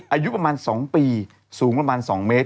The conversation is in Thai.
อายุประมาณ๒ปีสูงประมาณ๒เมตร